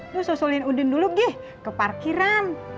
lo susulin udin dulu gih ke parkiran